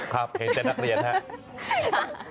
ครับเห็นแต่นักเรียนครับ